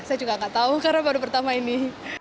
saya juga gak tahu karena baru pertama ini